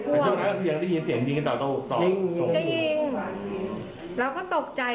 แต่ช่วงนั้นเสียงได้ยินเสียงยิงกันต่อยิงจะยิงเราก็ตกใจ